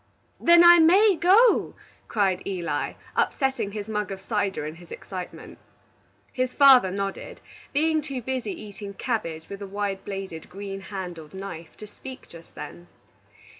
"Then I may go?" cried Eli, upsetting his mug of cider in his excitement. His father nodded, being too busy eating cabbage with a wide bladed green handled knife to speak just then.